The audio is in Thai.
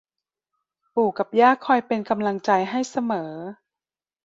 ปู่กับย่าคอยเป็นกำลังใจให้เสมอ